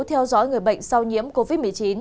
theo dõi người bệnh sau nhiễm covid một mươi chín